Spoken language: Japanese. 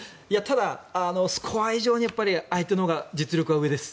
ただ、スコア以上に相手のほうが実力は上です。